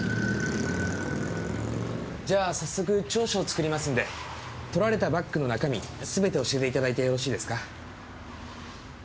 じゃあ調書を作りますんで盗られたバッグの中身すべて教えていただいてよろしいですか？